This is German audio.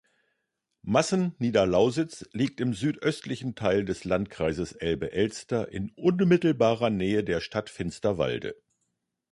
Massen-Niederlausitz liegt im südöstlichen Teil des Landkreises Elbe-Elster in unmittelbarer Nähe der Stadt Finsterwalde.